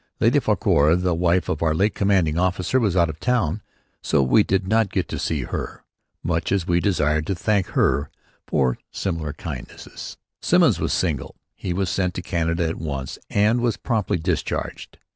Lady Farquhar, the wife of our late commanding officer, was out of town, so we did not see her, much as we desired to thank her for similar kindnesses. Simmons was single. He was sent to Canada at once and was promptly discharged.